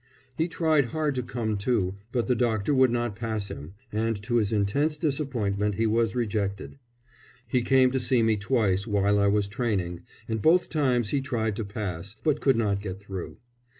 He tried hard to come, too, but the doctor would not pass him, and to his intense disappointment he was rejected. He came to see me twice while I was training, and both times he tried to pass; but could not get through.